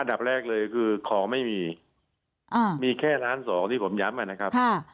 ดับแรกเลยคือของไม่มีมีแค่ล้านสองที่ผมย้ำนะครับ